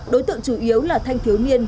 đối tượng chủ yếu là thanh thiếu niên